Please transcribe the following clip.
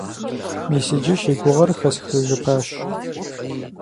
Мис иджы си гугъэр хэсхыжыпащ.